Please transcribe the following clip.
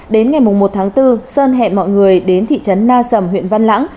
đến ngày một tháng bốn sơn hẹn mọi người đến thị trấn na sầm huyện văn lãng